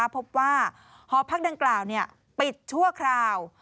พบว่าหอพักดังกล่าวปิดชั่วคราว